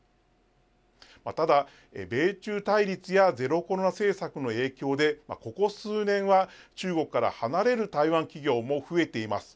ただ、米中対立やゼロコロナ政策の影響でここ数年は中国から離れる台湾企業も増えています。